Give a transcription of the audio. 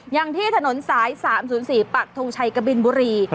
อย่างที่ถนนสาย๓๐๔ปักทงชัยกบินบุรี